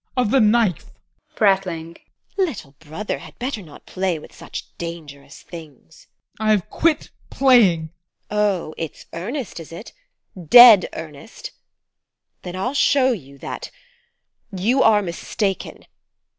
ADOLPH. Of the knife! TEKLA. [Prattling] Little brother had better not play with such dangerous things. ADOLPH. I have quit playing. TEKLA. Oh, it's earnest, is it? Dead earnest! Then I'll show you that you are mistaken.